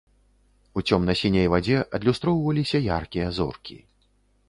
У цёмна-сіняй вадзе адлюстроўваліся яркія зоркі.